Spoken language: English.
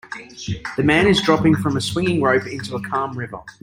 The man is dropping from a swinging rope into a calm river.